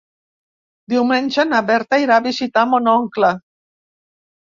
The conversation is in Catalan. Diumenge na Berta irà a visitar mon oncle.